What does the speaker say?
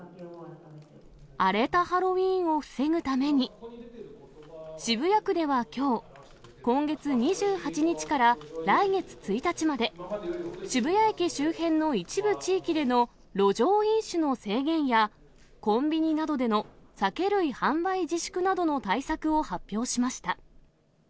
荒れたハロウィーンを防ぐために、渋谷区ではきょう、今月２８日から来月１日まで、渋谷駅周辺の一部地域での路上飲酒の制限や、コンビニなどでの酒類販売自粛などの対策を発表しました。